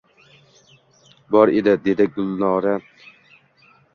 — Bor edi, — dedi Gulnora bamaylixotir. — U…